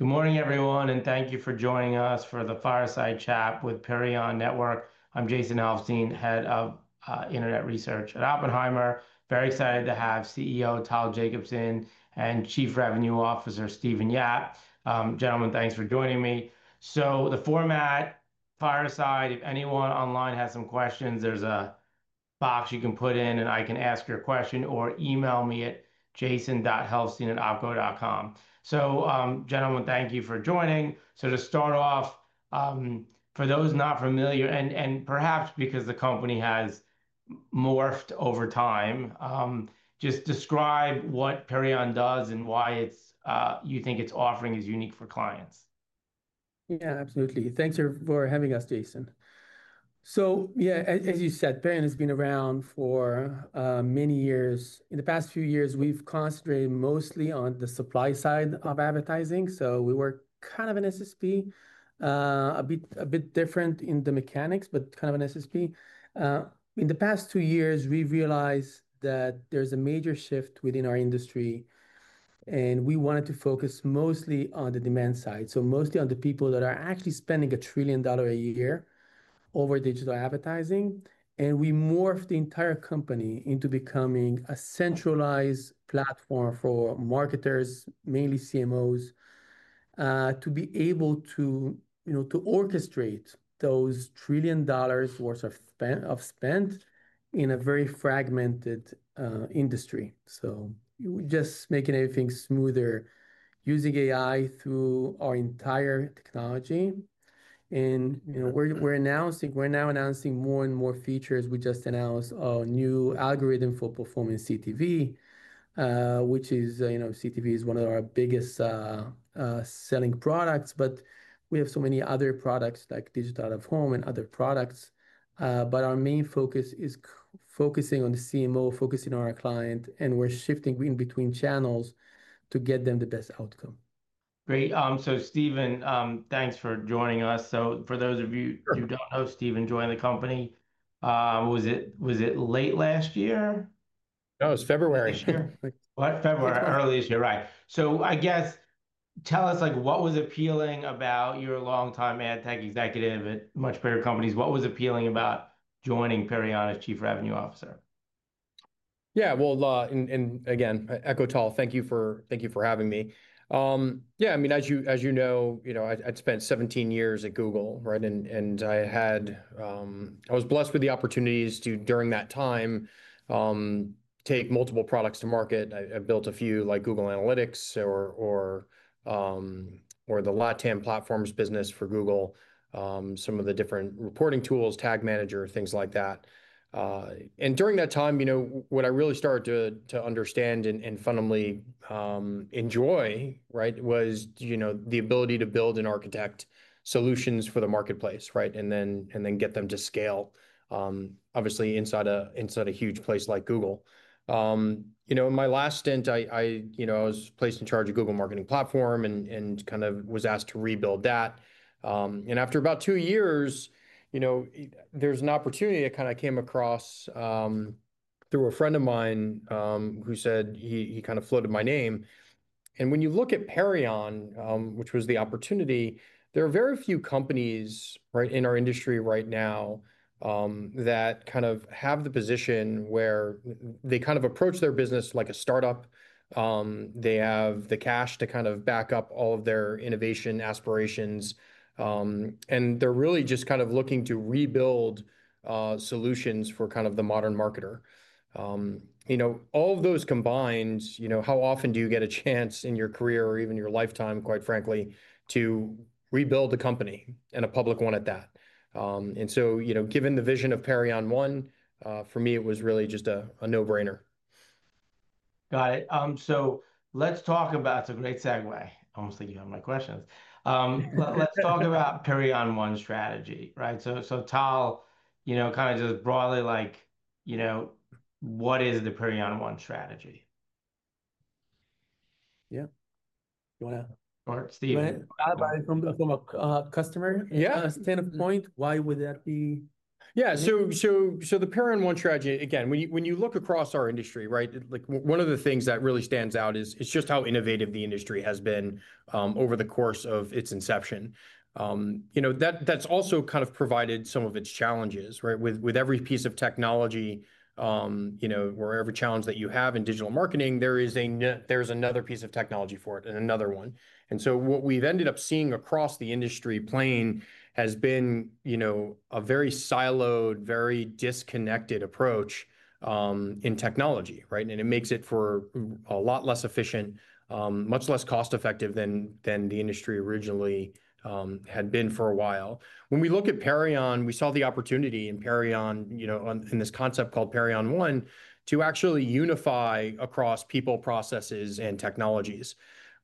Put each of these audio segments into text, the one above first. Good morning, everyone, and thank you for joining us for the Fireside Chat with Perion Network. I'm Jason Helfstein, Head of Internet Research at Oppenheimer. Very excited to have CEO Tal Jacobson and Chief Revenue Officer Stephen Yap. Gentlemen, thanks for joining me. The format is Fireside. If anyone online has some questions, there's a box you can put in and I can ask your question or email me at jason.helfstein@opco.com. Gentlemen, thank you for joining. To start off, for those not familiar, and perhaps because the company has morphed over time, just describe what Perion does and why you think its offering is unique for clients. Yeah, absolutely. Thanks for having us, Jason. As you said, Perion has been around for many years. In the past few years, we've concentrated mostly on the supply side of advertising. We were kind of an SSP, a bit different in the mechanics, but kind of an SSP. In the past two years, we realized that there's a major shift within our industry, and we wanted to focus mostly on the demand side, mostly on the people that are actually spending $1 trillion a year over digital advertising. We morphed the entire company into becoming a centralized platform for marketers, mainly CMOs, to be able to orchestrate those $1 trillion worth of spend in a very fragmented industry. We're just making everything smoother, using AI through our entire technology. We're now announcing more and more features. We just announced a new algorithm for performing CTV, which is, you know, CTV is one of our biggest selling products. We have so many other products like Digital Out-of-Home and other products. Our main focus is focusing on the CMO, focusing on our client, and we're shifting in between channels to get them the best outcome. Great. Stephen, thanks for joining us. For those of you who don't know, Stephen joined the company, was it late last year? No, it was February. February, early this year, right. I guess tell us what was appealing about you're a longtime ad tech executive at much bigger companies. What was appealing about joining Perion as Chief Revenue Officer? Yeah, thank you, Tal, thank you for having me. As you know, I spent 17 years at Google, right? I was blessed with the opportunities to, during that time, take multiple products to market. I built a few like Google Analytics or the LATAM platforms business for Google, some of the different reporting tools, Tag Manager, things like that. During that time, what I really started to understand and fundamentally enjoy was the ability to build and architect solutions for the marketplace, and then get them to scale, obviously, inside a huge place like Google. In my last stint, I was placed in charge of Google Marketing Platform and was asked to rebuild that. After about two years, there's an opportunity that came across through a friend of mine who said he floated my name. When you look at Perion, which was the opportunity, there are very few companies in our industry right now that have the position where they approach their business like a startup. They have the cash to back up all of their innovation aspirations, and they're really just looking to rebuild solutions for the modern marketer. All of those combined, how often do you get a chance in your career or even your lifetime, quite frankly, to rebuild a company and a public one at that? Given the vision of Perion One, for me, it was really just a no-brainer. Got it. Let's talk about, it's a great segue, almost like you got my questions. Let's talk about Perion One strategy, right? Tal, you know, kind of just broadly like, you know, what is the Perion One strategy? Yeah. You want to, or Stephen? From a customer standpoint, why would that be? Yeah, so the Perion One strategy, again, when you look across our industry, one of the things that really stands out is just how innovative the industry has been over the course of its inception. That's also kind of provided some of its challenges, right? With every piece of technology, wherever challenge that you have in digital marketing, there is another piece of technology for it and another one. What we've ended up seeing across the industry plane has been a very siloed, very disconnected approach in technology. It makes it a lot less efficient, much less cost-effective than the industry originally had been for a while. When we look at Perion, we saw the opportunity in Perion, in this concept called Perion One, to actually unify across people, processes, and technologies.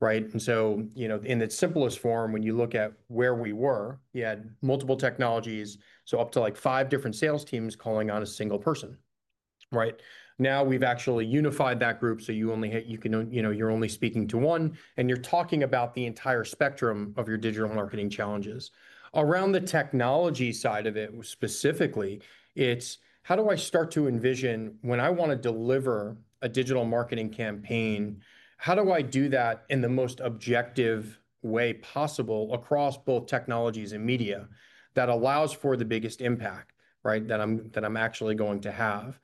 In its simplest form, when you look at where we were, you had multiple technologies, so up to like five different sales teams calling on a single person. Now we've actually unified that group, so you only hit, you can, you're only speaking to one, and you're talking about the entire spectrum of your digital marketing challenges. Around the technology side of it specifically, it's how do I start to envision when I want to deliver a digital marketing campaign, how do I do that in the most objective way possible across both technologies and media that allows for the biggest impact that I'm actually going to have?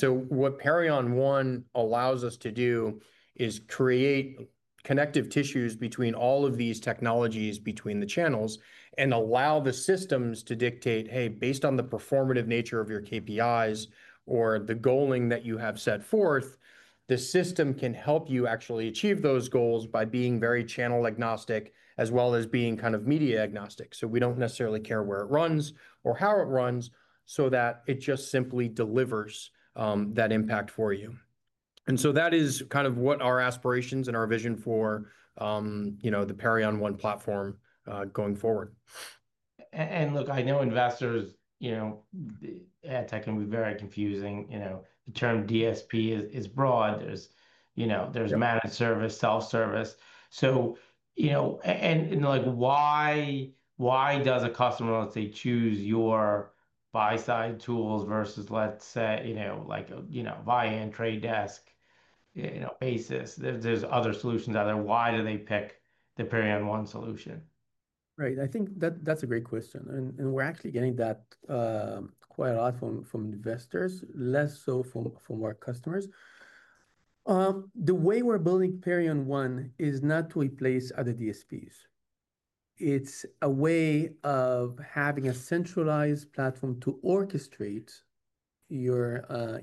What Perion One allows us to do is create connective tissues between all of these technologies between the channels and allow the systems to dictate, hey, based on the performative nature of your KPIs or the goaling that you have set forth, the system can help you actually achieve those goals by being very channel-agnostic as well as being kind of media-agnostic. We don't necessarily care where it runs or how it runs, so that it just simply delivers that impact for you. That is kind of what our aspirations and our vision for the Perion One platform going forward. I know investors, you know, ad tech can be very confusing. You know, the term DSP is broad. There's managed service, self-service. You know, why does a customer, let's say, choose your buy-side tools versus, let's say, a buy-and-trade desk, basis? There's other solutions out there. Why do they pick the Perion One solution? Right. I think that that's a great question. We're actually getting that quite a lot from investors, less so from our customers. The way we're building Perion One is not to replace other DSPs. It's a way of having a centralized platform to orchestrate your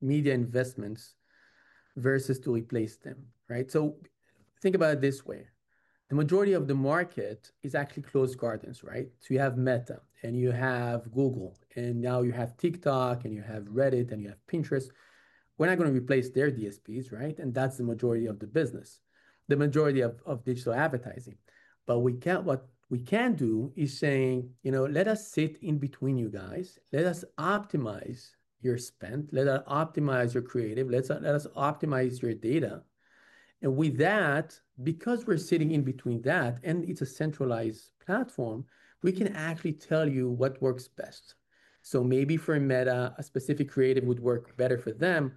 media investments versus to replace them, right? Think about it this way. The majority of the market is actually closed gardens, right? You have Meta and you have Google, and now you have TikTok and you have Reddit and you have Pinterest. We're not going to replace their DSPs, right? That's the majority of the business, the majority of digital advertising. What we can do is say, you know, let us sit in between you guys. Let us optimize your spend. Let us optimize your creative. Let us optimize your data. With that, because we're sitting in between that and it's a centralized platform, we can actually tell you what works best. Maybe for Meta, a specific creative would work better for them.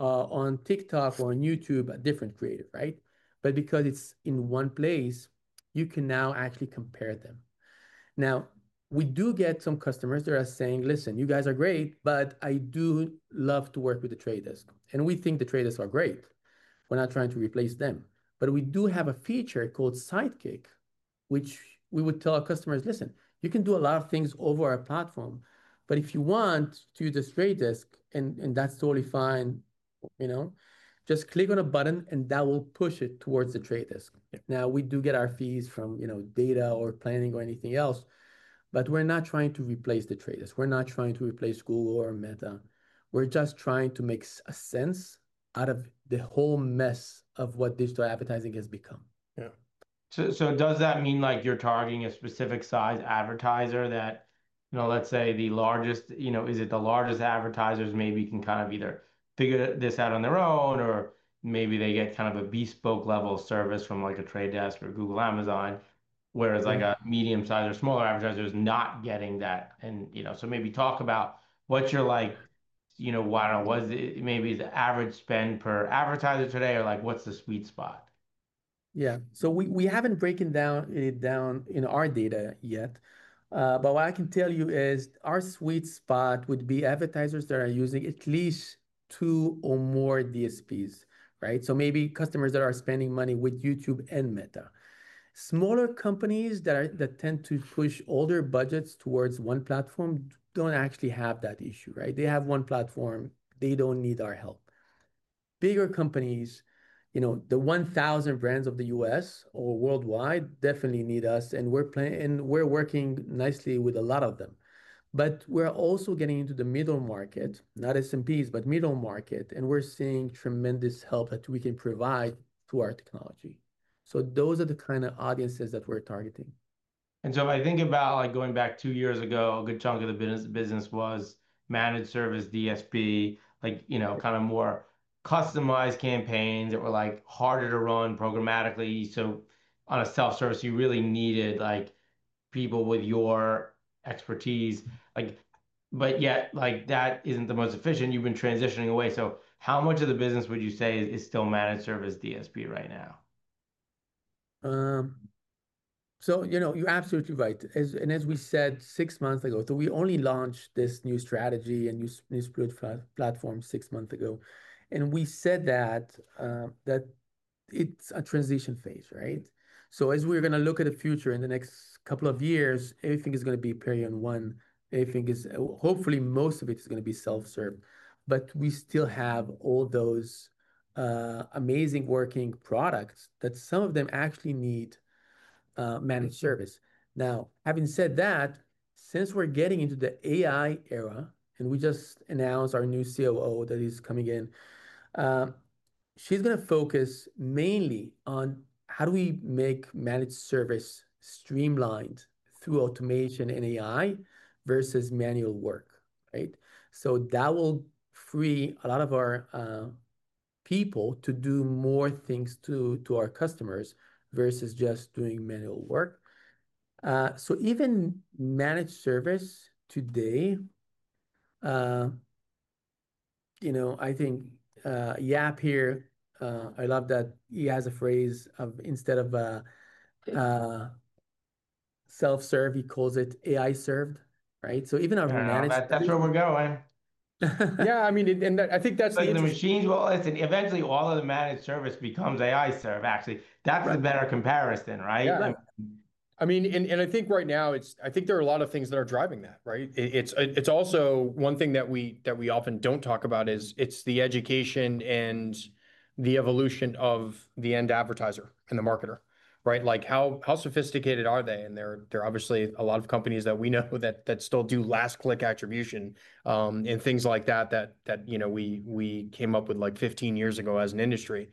On TikTok or on YouTube, a different creative, right? Because it's in one place, you can now actually compare them. We do get some customers that are saying, listen, you guys are great, but I do love to work with the traders. We think the traders are great. We're not trying to replace them. We do have a feature called Sidekick, which we would tell our customers, listen, you can do a lot of things over our platform. If you want to use The Trade Desk, and that's totally fine, you know, just click on a button and that will push it towards The Trade Desk. We do get our fees from, you know, data or planning or anything else. We're not trying to replace the traders. We're not trying to replace Google or Meta. We're just trying to make a sense out of the whole mess of what digital advertising has become. Yeah. Does that mean you're targeting a specific size advertiser that, let's say, is it the largest advertisers maybe can either figure this out on their own or maybe they get a bespoke level service from like The Trade Desk or Google, Amazon, whereas a medium size or smaller advertiser is not getting that? Maybe talk about what you're, like, why don't, what is maybe the average spend per advertiser today or what's the sweet spot? Yeah. We haven't broken it down in our data yet. What I can tell you is our sweet spot would be advertisers that are using at least two or more DSPs, right? Maybe customers that are spending money with YouTube and Meta. Smaller companies that tend to push all their budgets towards one platform don't actually have that issue, right? They have one platform. They don't need our help. Bigger companies, you know, the 1,000 brands of the U.S. or worldwide definitely need us. We're working nicely with a lot of them. We're also getting into the middle market, not SMBs, but middle market. We're seeing tremendous help that we can provide through our technology. Those are the kind of audiences that we're targeting. If I think about going back two years ago, a good chunk of the business was managed service DSP, like, you know, kind of more customized campaigns that were harder to run programmatically. On a self-service, you really needed people with your expertise, but yet, that isn't the most efficient. You've been transitioning away. How much of the business would you say is still managed service DSP right now? You're absolutely right. As we said six months ago, we only launched this new strategy and new split platform six months ago. We said that it's a transition phase, right? As we're going to look at the future in the next couple of years, everything is going to be Perion One. Everything is, hopefully, most of it is going to be self-serve. We still have all those amazing working products that some of them actually need managed service. Having said that, since we're getting into the AI era, and we just announced our new COO that is coming in, she's going to focus mainly on how do we make managed service streamlined through automation and AI versus manual work, right? That will free a lot of our people to do more things to our customers versus just doing manual work. Even managed service today, I think Yap here, I love that he has a phrase of instead of self-serve, he calls it AI-served, right? Even our managed service. That's where we're going. Yeah, I mean, I think that's the. Because the machines, actually, eventually all of the managed service becomes AI-served. That's a better comparison, right? Yeah. I mean, I think right now there are a lot of things that are driving that, right? One thing that we often don't talk about is the education and the evolution of the end advertiser and the marketer, right? Like how sophisticated are they? There are obviously a lot of companies that we know that still do last click attribution and things like that that we came up with like 15 years ago as an industry.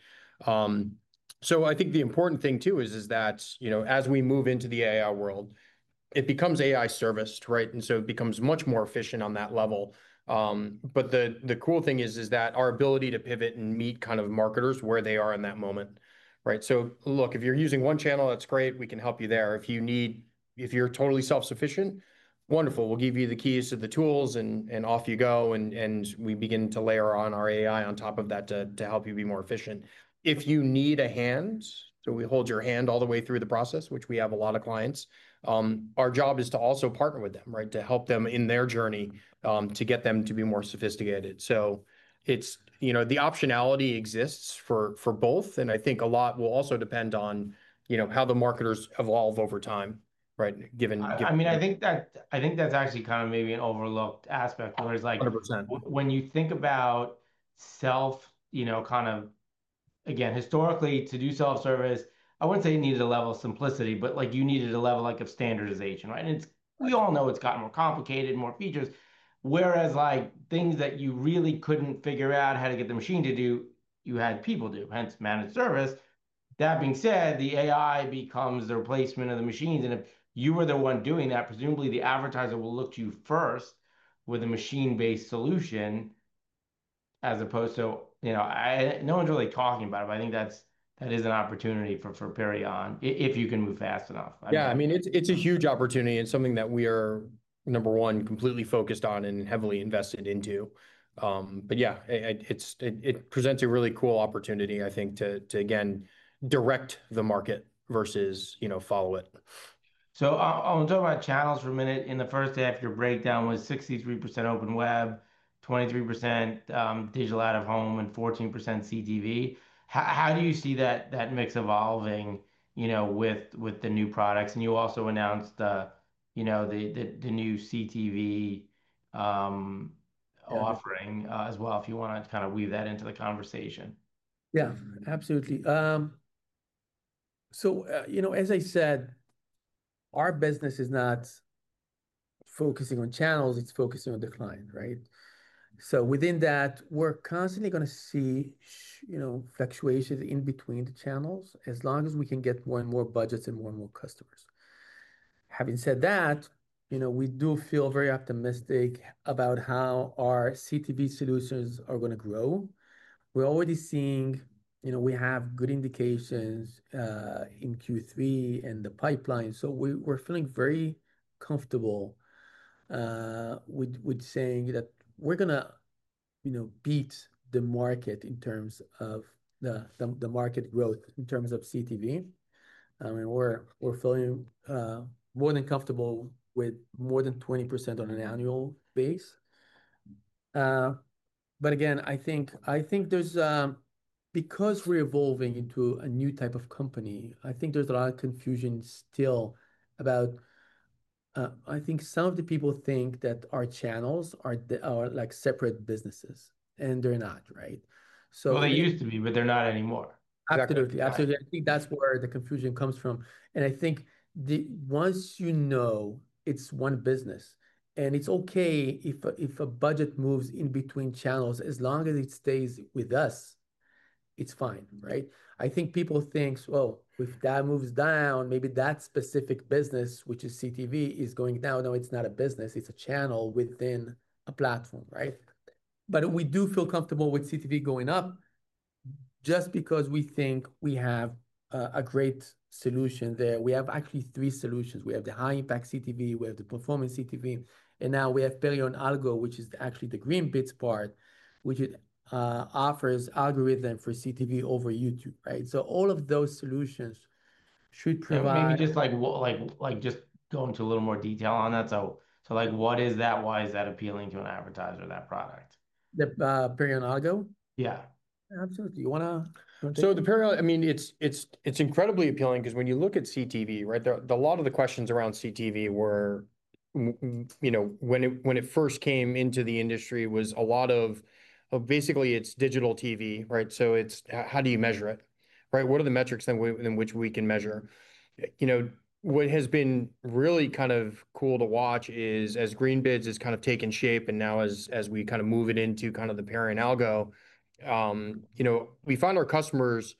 I think the important thing too is that as we move into the AI world, it becomes AI-serviced, right? It becomes much more efficient on that level. The cool thing is that our ability to pivot and meet marketers where they are in that moment, right? If you're using one channel, that's great. We can help you there. If you're totally self-sufficient, wonderful. We'll give you the keys to the tools and off you go. We begin to layer on our AI on top of that to help you be more efficient. If you need a hand, we hold your hand all the way through the process, which we have a lot of clients. Our job is to also partner with them to help them in their journey to get them to be more sophisticated. The optionality exists for both. I think a lot will also depend on how the marketers evolve over time, right? Given. I think that's actually kind of maybe an overlooked aspect, whereas like 100% when you think about self, you know, kind of, historically to do self-service, I wouldn't say you needed a level of simplicity, but you needed a level of standardization, right? We all know it's gotten more complicated, more features, whereas things that you really couldn't figure out how to get the machine to do, you had people do, hence managed service. That being said, the AI becomes the replacement of the machines. If you were the one doing that, presumably the advertiser will look to you first with a machine-based solution as opposed to, you know, no one's really talking about it. I think that is an opportunity for Perion if you can move fast enough. Yeah, I mean, it's a huge opportunity and something that we are, number one, completely focused on and heavily invested into. It presents a really cool opportunity, I think, to again direct the market versus, you know, follow it. I want to talk about channels for a minute. In the first half of your breakdown, it was 63% open web, 23% digital Out-of-Home, and 14% CTV. How do you see that mix evolving, you know, with the new products? You also announced the, you know, the new CTV offering as well, if you want to kind of weave that into the conversation. Yeah, absolutely. As I said, our business is not focusing on channels. It's focusing on the client, right? Within that, we're constantly going to see fluctuations in between the channels as long as we can get more and more budgets and more and more customers. Having said that, we do feel very optimistic about how our CTV solutions are going to grow. We're already seeing we have good indications in Q3 and the pipeline. We're feeling very comfortable with saying that we're going to beat the market in terms of the market growth in terms of CTV. We're feeling more than comfortable with more than 20% on an annual base. Again, I think there's, because we're evolving into a new type of company, I think there's a lot of confusion still about, I think some of the people think that our channels are like separate businesses, and they're not, right? They used to be, but they're not anymore. Absolutely. I think that's where the confusion comes from. I think once you know it's one business, and it's okay if a budget moves in between channels, as long as it stays with us, it's fine, right? I think people think, if that moves down, maybe that specific business, which is CTV, is going down. No, it's not a business. It's a channel within a platform, right? We do feel comfortable with CTV going up just because we think we have a great solution there. We have actually three solutions. We have the High Impact CTV, we have the Performance CTV, and now we have Perion Algo, which is actually the Greenbids part, which offers algorithm for CTV over YouTube, right? All of those solutions should provide. Maybe just going to a little more detail on that. What is that? Why is that appealing to an advertiser of that product? The Perion Algo? Yeah. Absolutely, you want to. The Perion, I mean, it's incredibly appealing because when you look at CTV, a lot of the questions around CTV were, when it first came into the industry, basically it's digital TV, right? It's how do you measure it, right? What are the metrics in which we can measure? What has been really kind of cool to watch is as Greenbids has kind of taken shape and now as we kind of move it into Perion Algo, we find our customers,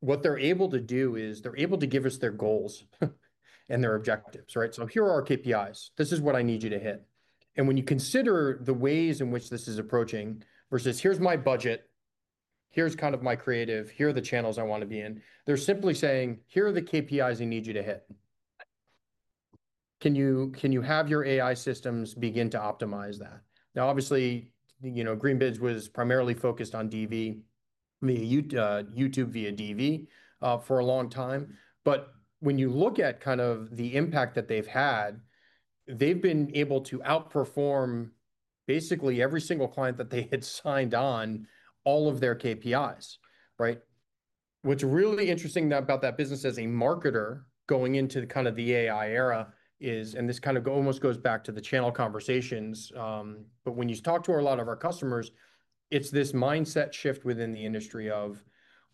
what they're able to do is they're able to give us their goals and their objectives, right? Here are our KPIs. This is what I need you to hit. When you consider the ways in which this is approaching versus here's my budget, here's my creative, here are the channels I want to be in, they're simply saying, here are the KPIs I need you to hit. Can you have your AI systems begin to optimize that? Obviously, Greenbids was primarily focused on DV, the YouTube via DV for a long time. When you look at the impact that they've had, they've been able to outperform basically every single client that they had signed on all of their KPIs, right? What's really interesting about that business as a marketer going into the AI era is, and this almost goes back to the channel conversations, when you talk to a lot of our customers, it's this mindset shift within the industry of,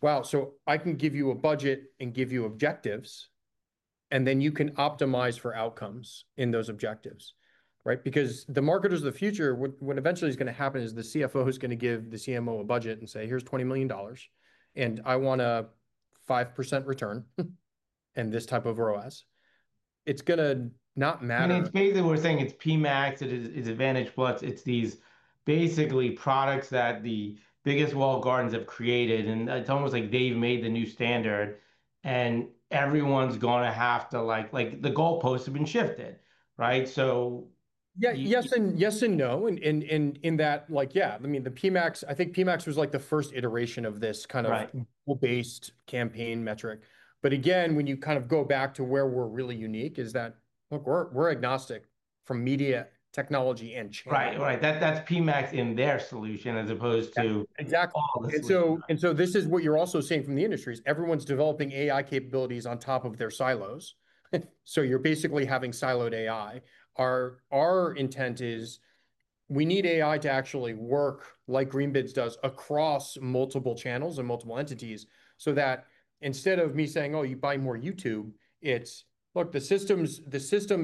wow, I can give you a budget and give you objectives, and then you can optimize for outcomes in those objectives, right? The marketers of the future, what eventually is going to happen is the CFO is going to give the CMO a budget and say, here's $20 million, and I want a 5% return and this type of ROS. It's going to not matter. It's basically, we're saying it's PMAX, it's Advantage Plus, it's these products that the biggest walled gardens have created, and it's almost like they've made the new standard, and everyone's going to have to, like the goalposts have been shifted, right? Yes and yes and no, in that like, yeah, I mean, the PMAX, I think PMAX was like the first iteration of this kind of goal-based campaign metric. When you kind of go back to where we're really unique is that, look, we're agnostic from media, technology, and channel. Right, right. That's PMAX in their solution as opposed to all of this. Exactly. This is what you're also seeing from the industry: everyone's developing AI capabilities on top of their silos, so you're basically having siloed AI. Our intent is we need AI to actually work like Greenbids does across multiple channels and multiple entities so that instead of me saying, oh, you buy more YouTube, it's, look, the system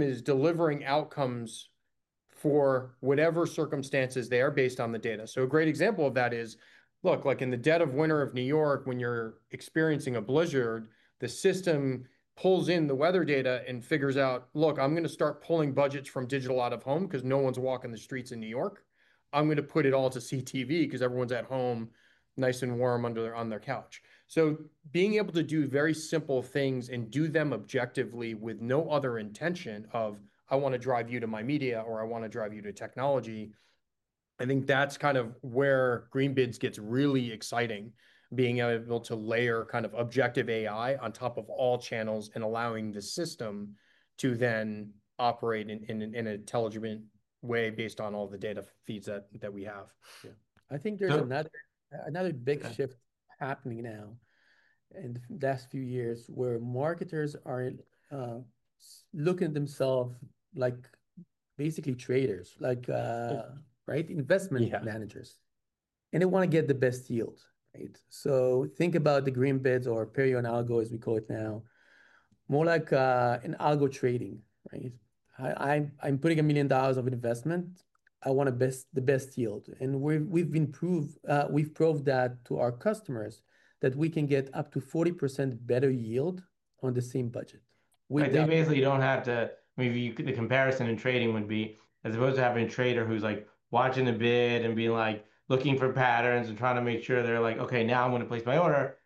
is delivering outcomes for whatever circumstances there based on the data. A great example of that is, like in the dead of winter of New York, when you're experiencing a blizzard, the system pulls in the weather data and figures out, look, I'm going to start pulling budgets from digital Out-of-Home because no one's walking the streets in New York. I'm going to put it all to CTV because everyone's at home nice and warm on their couch. Being able to do very simple things and do them objectively with no other intention of, I want to drive you to my media or I want to drive you to technology, I think that's kind of where Greenbids gets really exciting, being able to layer kind of objective AI on top of all channels and allowing the system to then operate in an intelligent way based on all the data feeds that we have. I think there's another big shift happening now in the last few years where marketers are looking at themselves like basically traders, like investment managers, and they want to get the best yield. Right? Think about the Greenbids or Perion Algo, as we call it now, more like an algo trading. Right? I'm putting $1 million of investment. I want the best yield. We've proved that to our customers that we can get up to 40% better yield on the same budget. You basically don't have to, maybe the comparison in trading would be as opposed to having a trader who's watching the bid and being like looking for patterns and trying to make sure they're like, okay, now I'm going to place my order.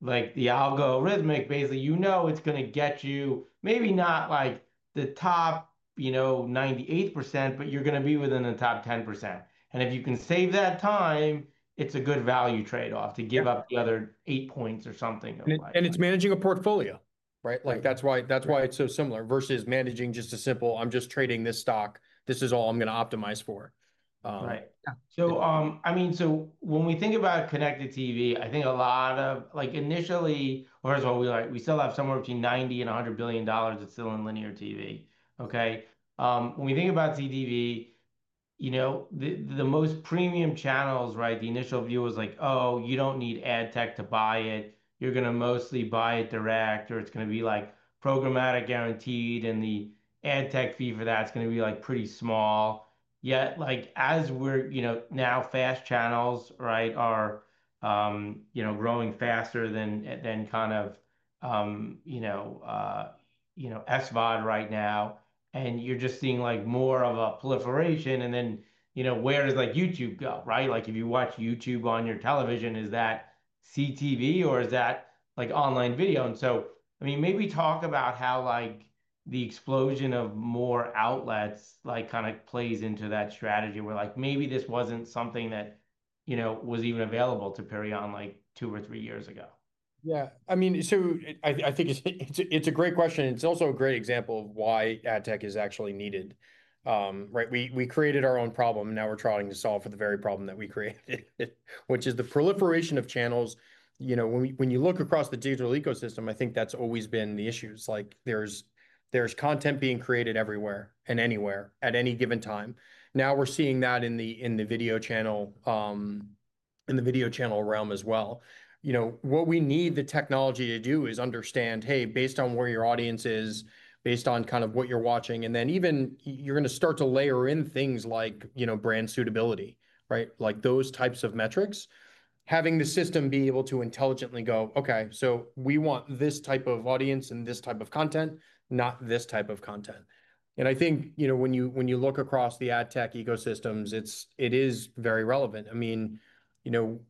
The algorithmic, basically, you know, it's going to get you maybe not like the top, you know, 98%, but you're going to be within the top 10%. If you can save that time, it's a good value trade-off to give up the other 8 points or something. It is managing a portfolio, right? That is why it is so similar versus managing just a simple, I am just trading this stock. This is all I am going to optimize for. Right. When we think about connected TV, I think a lot of like initially, or as well, we still have somewhere between $90 billion and $100 billion that's still in linear TV. When we think about CTV, the most premium channels, the initial view was like, oh, you don't need ad tech to buy it. You're going to mostly buy it direct, or it's going to be like programmatic guaranteed, and the ad tech fee for that is going to be pretty small. Yet, as we're, now fast channels are growing faster than kind of SVOD right now. You're just seeing more of a proliferation. Where does YouTube go, right? If you watch YouTube on your television, is that CTV or is that online video? Maybe talk about how the explosion of more outlets kind of plays into that strategy where maybe this wasn't something that was even available to Perion like two or three years ago. Yeah, I mean, I think it's a great question. It's also a great example of why ad tech is actually needed. We created our own problem. Now we're trying to solve for the very problem that we created, which is the proliferation of channels. You know, when you look across the digital ecosystem, I think that's always been the issue. It's like there's content being created everywhere and anywhere at any given time. Now we're seeing that in the video channel realm as well. What we need the technology to do is understand, hey, based on where your audience is, based on kind of what you're watching, and then even you're going to start to layer in things like, you know, brand suitability, right? Like those types of metrics, having the system be able to intelligently go, okay, we want this type of audience and this type of content, not this type of content. I think, you know, when you look across the ad tech ecosystems, it is very relevant. I mean, you know,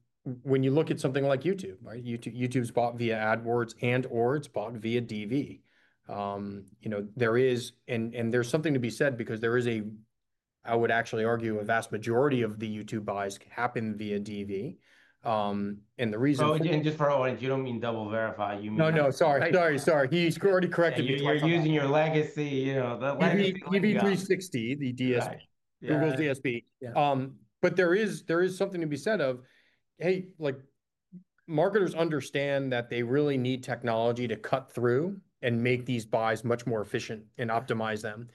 when you look at something like YouTube, right, YouTube's bought via AdWords and/or it's bought via DV. There is, and there's something to be said because there is a, I would actually argue, a vast majority of the YouTube buys happen via DV. The reason. Oh, again, just for our audience, you don't mean DoubleVerify. You mean. Sorry, sorry. He already corrected me on that. You're using your legacy. DV360, the DSP, Google's DSP. There is something to be said of, hey, like marketers understand that they really need technology to cut through and make these buys much more efficient and optimize them.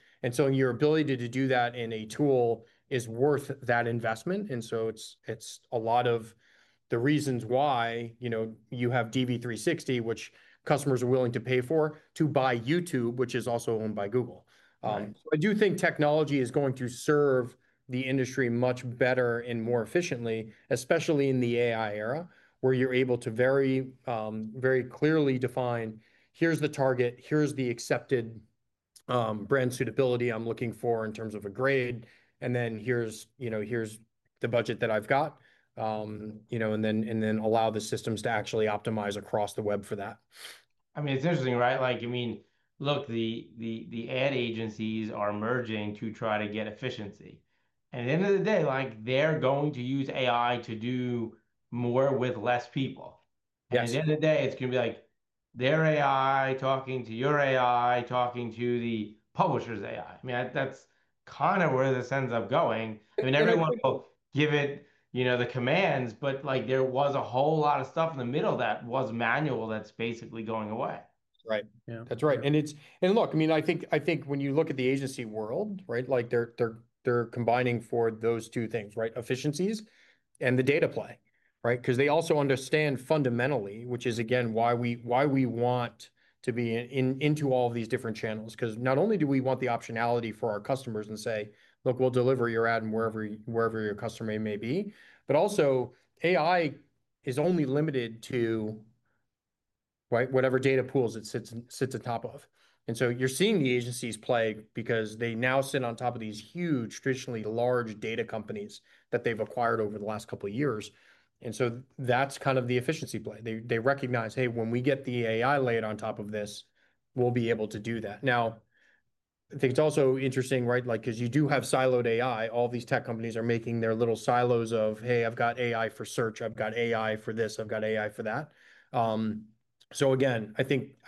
Your ability to do that in a tool is worth that investment. It is a lot of the reasons why, you know, you have DV360, which customers are willing to pay for, to buy YouTube, which is also owned by Google. I do think technology is going to serve the industry much better and more efficiently, especially in the AI era, where you're able to very, very clearly define, here's the target, here's the accepted brand suitability I'm looking for in terms of a grade, and then here's, you know, here's the budget that I've got, you know, and then allow the systems to actually optimize across the web for that. It's interesting, right? The ad agencies are merging to try to get efficiency. At the end of the day, they're going to use AI to do more with less people. At the end of the day, it's going to be their AI talking to your AI, talking to the publisher's AI. That's kind of where this ends up going. Everyone will give it the commands, but there was a whole lot of stuff in the middle that was manual that's basically going away. Right. That's right. I mean, I think when you look at the agency world, they're combining for those two things, efficiencies and the data play, because they also understand fundamentally, which is again why we want to be into all of these different channels. Not only do we want the optionality for our customers and say, look, we'll deliver your ad wherever your customer may be, but also AI is only limited to whatever data pools it sits atop of. You're seeing the agencies play because they now sit on top of these huge, traditionally large data companies that they've acquired over the last couple of years. That's kind of the efficiency play. They recognize, hey, when we get the AI layered on top of this, we'll be able to do that. I think it's also interesting, because you do have siloed AI. All these tech companies are making their little silos of, hey, I've got AI for search, I've got AI for this, I've got AI for that. I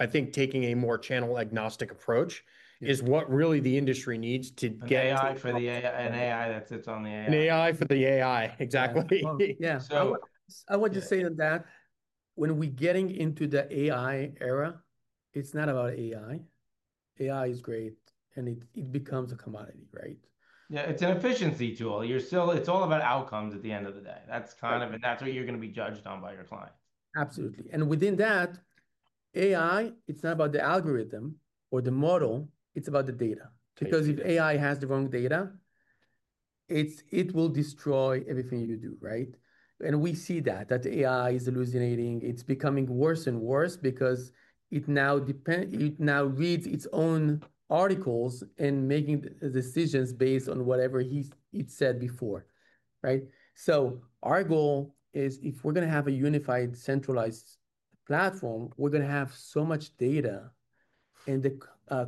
think taking a more channel-agnostic approach is what really the industry needs to get. AI for the AI, an AI that sits on the AI. An AI for the AI, exactly. Yeah. I would just say that when we're getting into the AI era, it's not about AI. AI is great, and it becomes a commodity, right? Yeah, it's an efficiency tool. You're still, it's all about outcomes at the end of the day. That's kind of what you're going to be judged on by your client. Absolutely. Within that, AI, it's not about the algorithm or the model, it's about the data. Because if AI has the wrong data, it will destroy everything you do, right? We see that AI is hallucinating. It's becoming worse and worse because it now depends, it now reads its own articles and making decisions based on whatever it said before, right? Our goal is if we're going to have a unified centralized platform, we're going to have so much data and the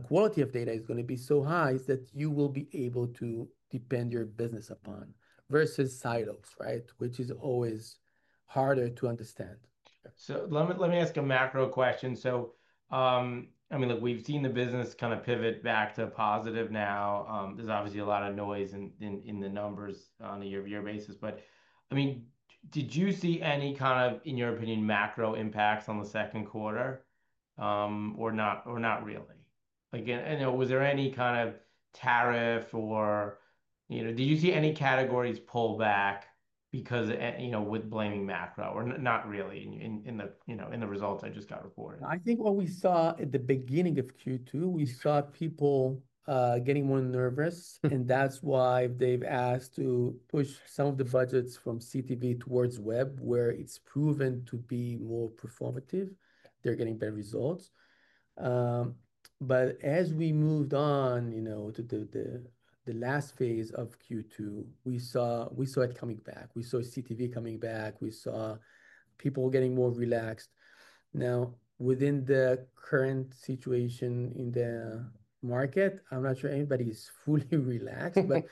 quality of data is going to be so high that you will be able to depend your business upon versus silos, which is always harder to understand. Let me ask a macro question. I mean, we've seen the business kind of pivot back to positive now. There's obviously a lot of noise in the numbers on a year-to-year basis. I mean, did you see any kind of, in your opinion, macro impacts on the second quarter or not really? Was there any kind of tariff or did you see any categories pull back because, you know, with blaming macro or not really in the results I just got reported? I think what we saw at the beginning of Q2, we saw people getting more nervous. That's why they've asked to push some of the budgets from CTV towards web, where it's proven to be more performative. They're getting better results. As we moved on to the last phase of Q2, we saw it coming back. We saw CTV coming back. We saw people getting more relaxed. Now, within the current situation in the market, I'm not sure anybody's fully relaxed, but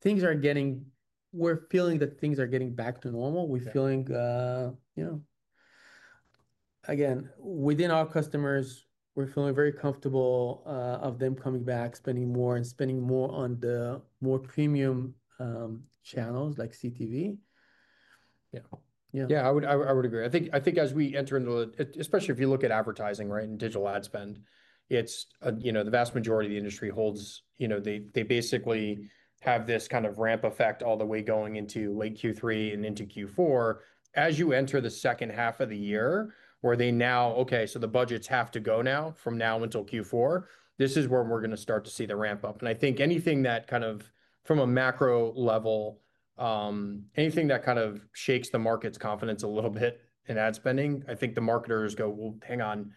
things are getting, we're feeling that things are getting back to normal. We're feeling, again, within our customers, we're feeling very comfortable of them coming back, spending more and spending more on the more premium channels like CTV. Yeah, yeah, I would agree. I think as we enter into, especially if you look at advertising, right, and digital ad spend, the vast majority of the industry holds, they basically have this kind of ramp effect all the way going into late Q3 and into Q4. As you enter the second half of the year, where they now, okay, so the budgets have to go now from now until Q4, this is where we're going to start to see the ramp up. I think anything that kind of, from a macro level, anything that kind of shakes the market's confidence a little bit in ad spending, I think the marketers go, hang on,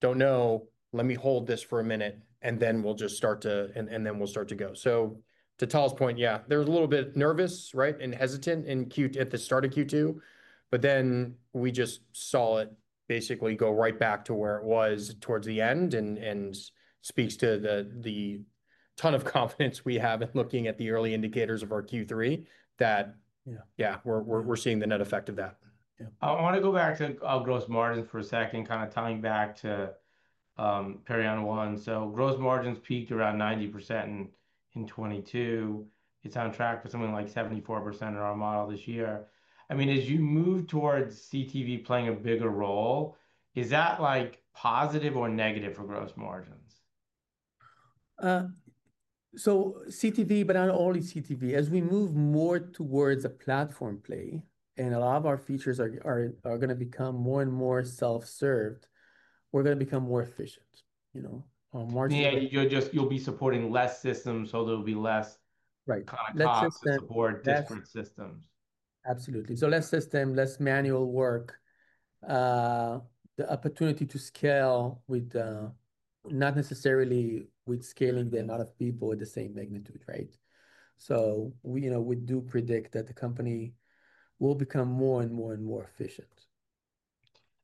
don't know, let me hold this for a minute and then we'll just start to, and then we'll start to go. To Tal's point, yeah, there was a little bit nervous, right, and hesitant at the start of Q2, but then we just saw it basically go right back to where it was towards the end and speaks to the ton of confidence we have in looking at the early indicators of our Q3 that, yeah, we're seeing the net effect of that. I want to go back to gross margins for a second, kind of tying back to Perion One. Gross margins peaked around 90% in 2022. It's on track for something like 74% in our model this year. As you move towards CTV playing a bigger role, is that like positive or negative for gross margins? CTV, but not only CTV, as we move more towards a platform play and a lot of our features are going to become more and more self-served, we're going to become more efficient, you know. Yeah, you'll just be supporting less systems, so there'll be less client support, different systems. Absolutely. Less system, less manual work, the opportunity to scale not necessarily with scaling the amount of people at the same magnitude, right? We do predict that the company will become more and more and more efficient.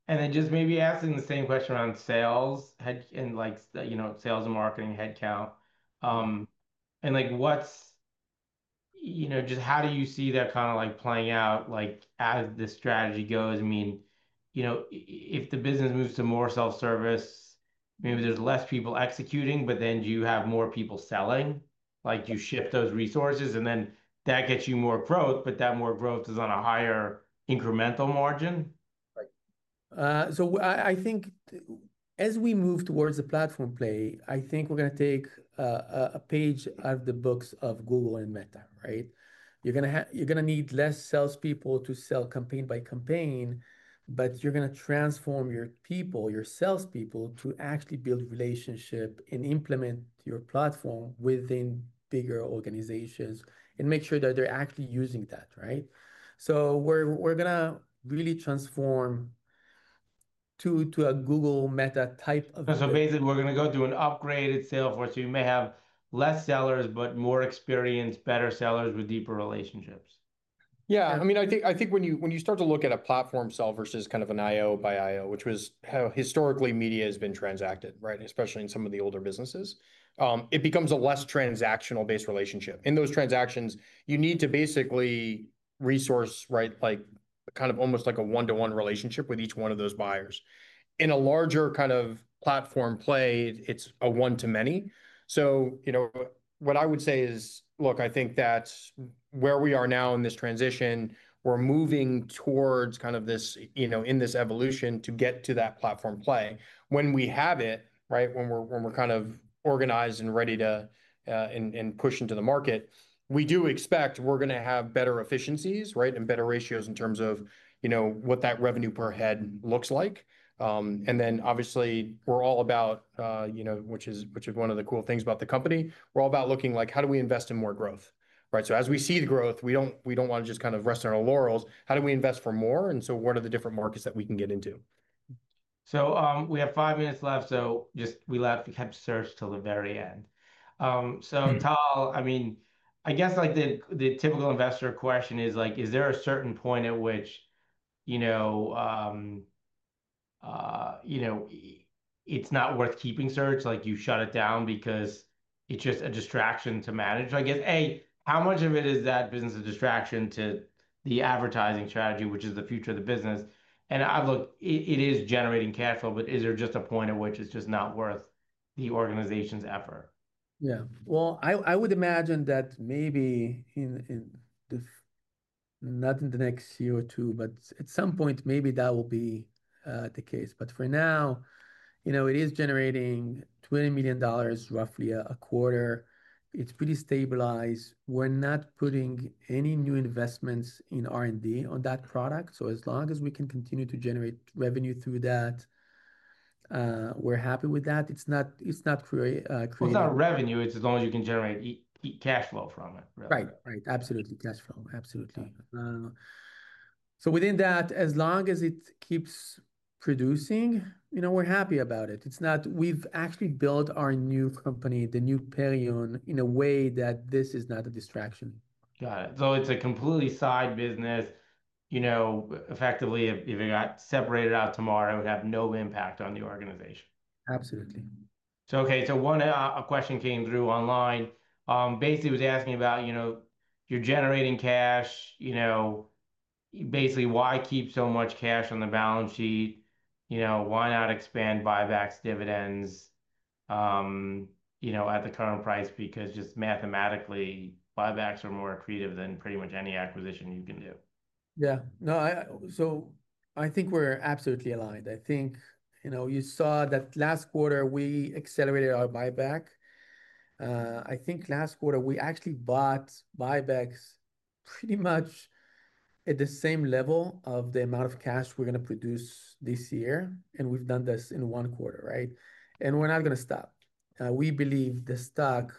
Maybe asking the same question around sales and, like, you know, sales and marketing headcount. What's, you know, just how do you see that kind of, like, playing out as the strategy goes? I mean, you know, if the business moves to more self-service, maybe there's less people executing, but then do you have more people selling? Do you shift those resources and then that gets you more growth, but that more growth is on a higher incremental margin? I think as we move towards the platform play, I think we're going to take a page out of the books of Google and Meta, right? You're going to need less salespeople to sell campaign by campaign, but you're going to transform your people, your salespeople to actually build relationships and implement your platform within bigger organizations and make sure that they're actually using that, right? We're going to really transform to a Google Meta type of. That's amazing. We are going to do an upgraded salesforce. You may have fewer sellers, but more experienced, better sellers with deeper relationships. Yeah, I mean, I think when you start to look at a platform sell versus kind of an IO by IO, which was how historically media has been transacted, right? Especially in some of the older businesses, it becomes a less transactional-based relationship. In those transactions, you need to basically resource, right? Like kind of almost like a one-to-one relationship with each one of those buyers. In a larger kind of platform play, it's a one-to-many. What I would say is, look, I think that's where we are now in this transition. We're moving towards kind of this, you know, in this evolution to get to that platform play. When we have it, right? When we're kind of organized and ready to push into the market, we do expect we're going to have better efficiencies, right? And better ratios in terms of, you know, what that revenue per head looks like. Obviously, we're all about, you know, which is one of the cool things about the company. We're all about looking like, how do we invest in more growth, right? As we see the growth, we don't want to just kind of rest in our laurels. How do we invest for more? What are the different markets that we can get into? We have five minutes left. We left the kept search till the very end. Tal, I mean, I guess like the typical investor question is, is there a certain point at which it's not worth keeping search? Like you shut it down because it's just a distraction to manage. I guess, A, how much of it is that business a distraction to the advertising strategy, which is the future of the business? I look, it is generating cash flow, but is there just a point at which it's just not worth the organization's effort? Yeah, I would imagine that maybe not in the next year or two, but at some point, maybe that will be the case. For now, it is generating $20 million roughly a quarter. It's pretty stabilized. We're not putting any new investments in R&D on that product. As long as we can continue to generate revenue through that, we're happy with that. It's not creating. Plus, our revenue is as long as you can generate cash flow from it. Right. Absolutely. Cash flow. Absolutely. Within that, as long as it keeps producing, we're happy about it. We've actually built our new company, the new Perion, in a way that this is not a distraction. Got it. It's a completely side business, you know. Effectively, if it got separated out tomorrow, it would have no impact on the organization. Absolutely. Okay, one question came through online. Basically, it was asking about, you know, you're generating cash, you know, basically, why keep so much cash on the balance sheet? You know, why not expand buybacks, dividends, you know, at the current price? Because just mathematically, buybacks are more accretive than pretty much any acquisition you can do. Yeah, no, I think we're absolutely aligned. You saw that last quarter we accelerated our buyback. I think last quarter we actually bought buybacks pretty much at the same level of the amount of cash we're going to produce this year. We've done this in one quarter, right? We're not going to stop. We believe the stock,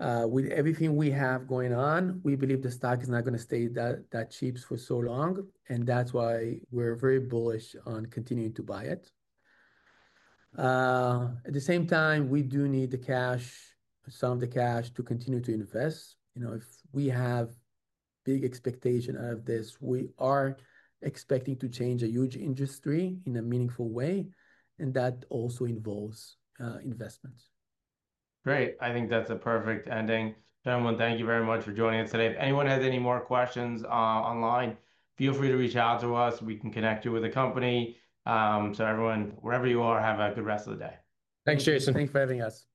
with everything we have going on, is not going to stay that cheap for so long. That's why we're very bullish on continuing to buy it. At the same time, we do need some of the cash to continue to invest. If we have big expectations out of this, we are expecting to change a huge industry in a meaningful way. That also involves investments. Great. I think that's a perfect ending. Gentlemen, thank you very much for joining us today. If anyone has any more questions online, feel free to reach out to us. We can connect you with the company. Everyone, wherever you are, have a good rest of the day. Thanks, Jason. Thanks for having us.